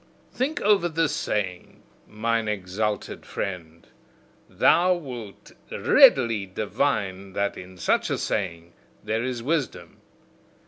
Think over this saying, mine exalted friend: thou wilt readily divine that in such a saying there is wisdom.